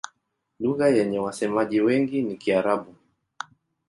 Lugha yenye wasemaji wengi ni Kiarabu.